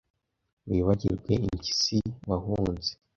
wibagirwe impyisi wahunze